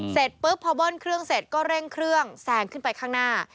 เสร็จปุ๊บพอเบิ้ลเครื่องเสร็จก็เร่งเครื่องแซงขึ้นไปข้างหน้า